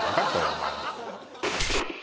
お前